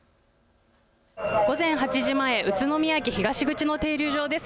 午前８時前、宇都宮駅東口の停留場です。